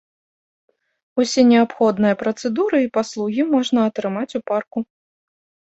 Усе неабходныя працэдуры і паслугі можна атрымаць у парку.